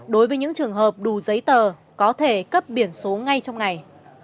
đối với những trường hợp đủ giấy tờ có thể cấp biển số ngay trong ngày